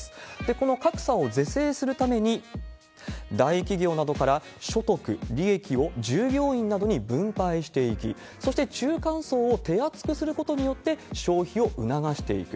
この格差を是正するために、大企業などから所得、利益を従業員などに分配していき、そして中間層を手厚くすることによって、消費を促していく。